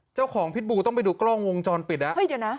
พิษบูต้องไปดูกล้องวงจรปิดอ่ะเฮ้ยเดี๋ยวนะ